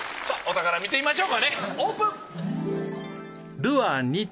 さあお宝見てみましょうかねオープン。